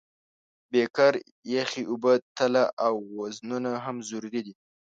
بیکر، یخې اوبه، تله او وزنونه هم ضروري دي.